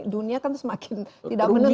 dunia kan semakin tidak menentu